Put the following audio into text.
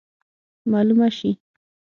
معلومه سي.